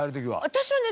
私はね